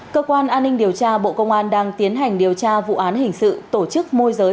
cơ quan an ninh điều tra bộ công an đang tiến hành điều tra vụ án hình sự tổ chức môi giới